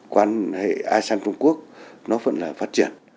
quan hệ asean trung quốc nó vẫn là phát triển